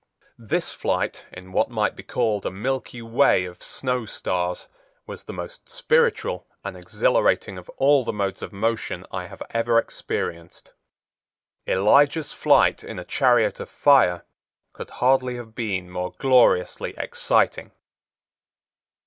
This flight in what might be called a milky way of snow stars was the most spiritual and exhilarating of all the modes of motion I have ever experienced. Elijah's flight in a chariot of fire could hardly have been more gloriously exciting.